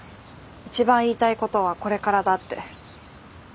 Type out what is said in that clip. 一番言いたいことはこれからだって。